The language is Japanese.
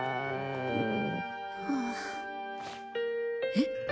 えっ？